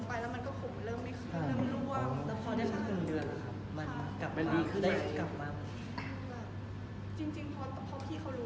เพราะมันเป็นแผลกวดทับตอนหนึ่งมันไม่กลายกันกันเลย